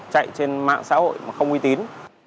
chạy trên mạng xã hội mà không uy tín